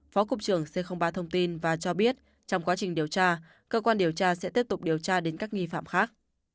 phó cục trưởng c ba thông tin và cho biết trong quá trình điều tra cơ quan điều tra sẽ tiếp tục điều tra đến các nghi phạm khác